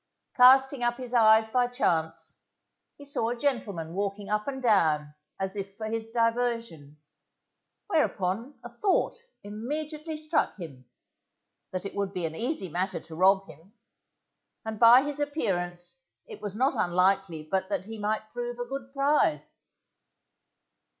Casting up his eyes by chance, he saw a gentleman walking up and down as if for his diversion, whereupon a thought immediately struck him, that it would be an easy matter to rob him, and by his appearance it was not unlikely but that he might prove a good prize.